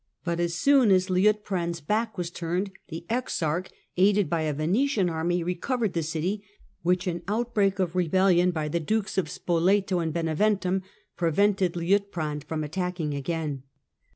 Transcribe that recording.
But as soon as Liutprand's back was turned ae exarch, aided by a Venetian army, recovered the ity, which an outbreak of rebellion by the Dukes of poleto and Beneventum prevented Liutprand from ttacking again.